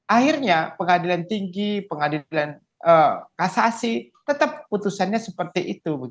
akhirnya pengadilan tinggi pengadilan kasasi tetap putusannya seperti itu